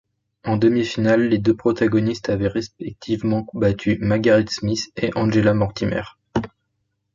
En demi-finale, les deux protagonistes avaient respectivement battu Margaret Smith et Angela Mortimer.